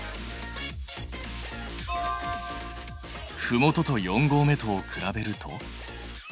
ふもとと四合目とを比べると？